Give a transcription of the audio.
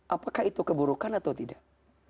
apakah itu keburukan atau tidak